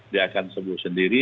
dia akan sembuh sendiri